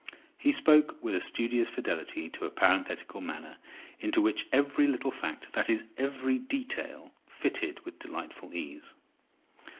He spoke with a studious fidelity to a parenthetical manner, into which every little fact—that is, every detail—fitted with delightful ease.